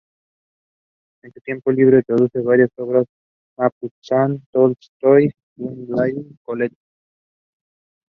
En su tiempo libre traduce varias obras: Maupassant, Tolstoi, Baudelaire, Colette...